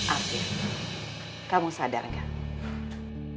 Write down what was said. ati kamu sadar enggak